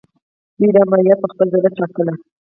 دوی دا مالیه په خپل زړه ټاکله.